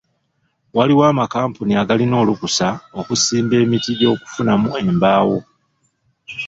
Waliwo amakampuni agalina olukusa okusimba emiti gy'okufunamu embaawo.